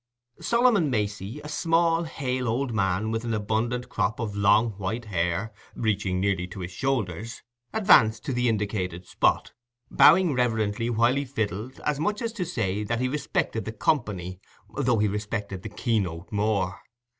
Solomon Macey, a small hale old man with an abundant crop of long white hair reaching nearly to his shoulders, advanced to the indicated spot, bowing reverently while he fiddled, as much as to say that he respected the company, though he respected the key note more.